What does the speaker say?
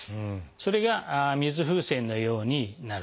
それが水風船のようになると。